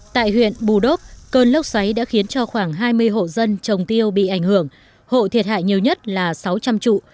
tại huyện bù đốc cơn lốc xoáy đã khiến cho khoảng hai mươi hộ dân trồng tiêu bị ảnh hưởng hộ thiệt hại nhiều nhất là sáu trăm linh trụ